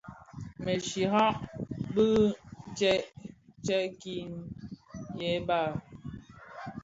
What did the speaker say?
Më shyayaň bi tsèd kid hi bal.